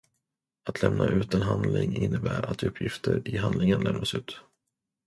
Att lämna ut en handling innebär att uppgifter i handlingen lämnas ut.